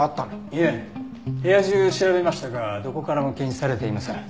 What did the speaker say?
いえ部屋中調べましたがどこからも検出されていません。